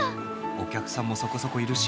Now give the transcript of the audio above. お客さんもそこそこいるし。